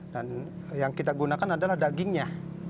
yang kita gunakan adalah dagingnya